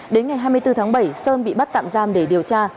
đến ngày hai mươi bốn tháng bảy sơn bị bắt tạm giam để điều tra